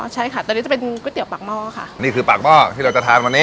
ใช่ค่ะตอนนี้จะเป็นก๋วยเตี๋ปากหม้อค่ะนี่คือปากหม้อที่เราจะทานวันนี้